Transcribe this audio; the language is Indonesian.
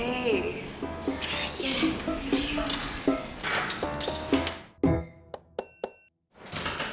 iya deh yuk yuk